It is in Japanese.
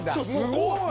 すごい。